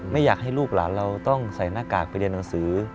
ไม่อยากให้ลูกหลานเราต้องใส่หน้ากากไปเรียนหนังสือ